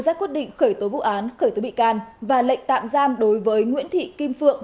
ra quyết định khởi tố vụ án khởi tố bị can và lệnh tạm giam đối với nguyễn thị kim phượng